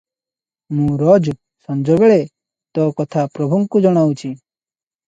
ମୁଁ ରୋଜ ସଞ୍ଜବେଳେ ତୋ କଥା ପ୍ରଭୁଙ୍କୁ ଜଣାଉଛି ।